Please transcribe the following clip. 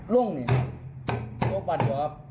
ลงเนี่ยตบบัตรเหรอครับ